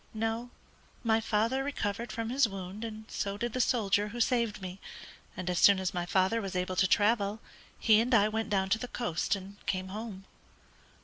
"No; my father recovered from his wound, and so did the soldier who saved me, and as soon as my father was able to travel, he and I went down to the coast and came home."